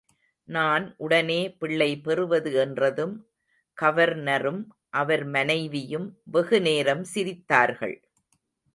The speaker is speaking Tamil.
நான் உடனே பிள்ளை பெறுவது என்றதும் கவர்னரும் அவர் மனைவியும் வெகு நேரம் சிரித்தார்கள்.